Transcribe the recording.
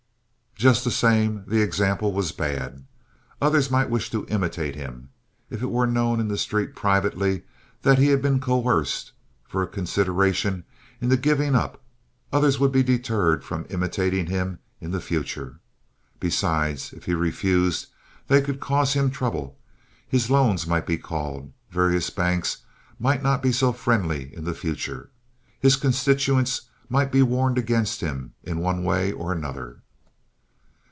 Just the same the example was bad. Others might wish to imitate him. If it were known in the street privately that he had been coerced, for a consideration, into giving up, others would be deterred from imitating him in the future. Besides, if he refused, they could cause him trouble. His loans might be called. Various banks might not be so friendly in the future. His constituents might be warned against him in one way or another.